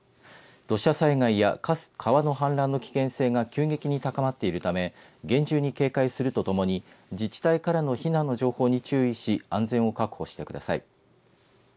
土砂災害や川の氾濫の危険性が急激に高まっているため厳重に警戒するとともに自治体からの避難の情報に注意し安全を確保してください。